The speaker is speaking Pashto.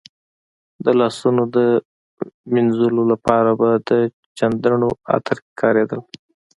د لاسونو د وینځلو لپاره به د چندڼو عطر کارېدل.